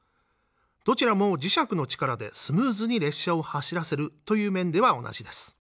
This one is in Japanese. どちらも磁石の力でスムーズに列車を走らせるという面では同じです。